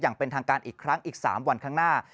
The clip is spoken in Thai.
อย่างเป็นทางการอีกครั้งอีก๓วันข้างหน้า